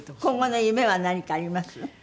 今後の夢は何かあります？